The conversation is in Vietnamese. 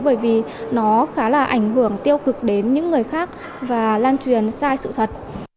bởi vì nó khá là ảnh hưởng tiêu cực đến những người khác và lan truyền sai sự thật